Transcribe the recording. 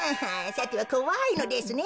さてはこわいのですね